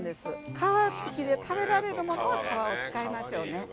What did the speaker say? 皮付きで食べられるものは皮を使いましょうね。